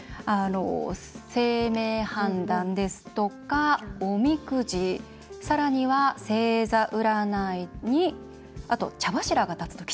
姓名判断ですとか、おみくじさらには星座占いにあと、茶柱が立つと吉なんて。